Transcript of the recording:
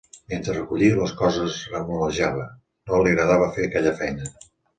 Mentre recollia les coses remolejava: no li agradava fer aquella feina.